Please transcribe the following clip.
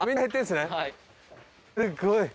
すごいね！